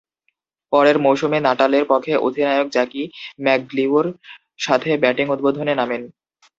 পরের মৌসুমে নাটালের পক্ষে অধিনায়ক জ্যাকি ম্যাকগ্লিউ’র সাথে ব্যাটিং উদ্বোধনে নামেন।